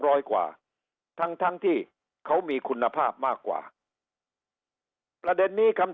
ร้อยกว่าทั้งทั้งที่เขามีคุณภาพมากกว่าประเด็นนี้คำ